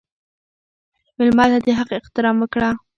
مېلمه ته د حق احترام ورکړه.